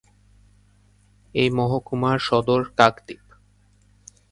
এই মহকুমার সদর কাকদ্বীপ।